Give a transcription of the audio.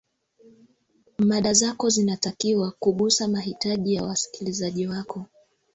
mada zako zinatakiwa kugusa mahitaji ya wasikilizaji wako